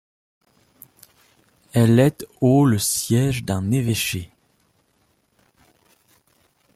Elle est aux le siège d'un évêché.